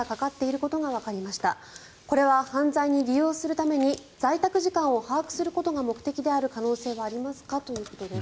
これは犯罪に利用するために在宅時間を把握することが目的の可能性はありますか？ということです。